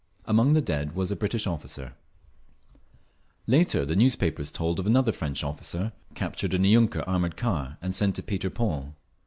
Among the dead was a British Officer…. Later the newspapers told of another French officer, captured in a yunker armoured car and sent to Peter Paul.